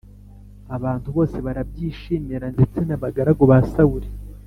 abantu bose barabyishimira ndetse n’abagaragu ba Sawuli.